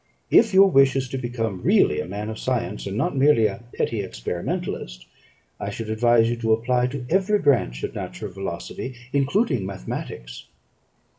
If your wish is to become really a man of science, and not merely a petty experimentalist, I should advise you to apply to every branch of natural philosophy, including mathematics."